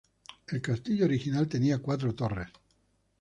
El castillo original tenía cuatro torres.